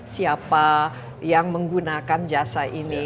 siapa yang menggunakan jasa ini